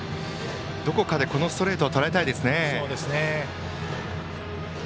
どこかでこのストレートをとらえたいですね。